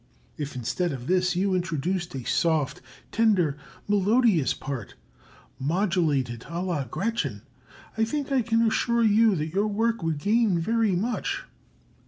If instead of this you introduced a soft, tender, melodious part, modulated à la Gretchen, I think I can assure you that your work would gain very much.